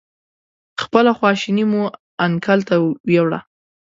خپله خواشیني مو انکل ته ویوړه.